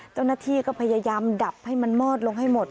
เจ้าหน้าที่ก็พยายามดับให้มันมอดลงให้หมด